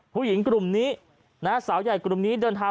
ทั้ง๔คนสาวใหญ่กลุ่มนี้บอกว่า